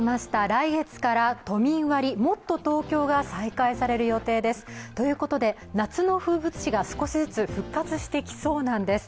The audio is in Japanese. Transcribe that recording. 来月から都民割、もっとＴｏｋｙｏが再開される予定ですということで夏の風物詩が少しずつ復活していきそうなんです。